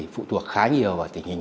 phụ thuộc khá nhiều vào tình hình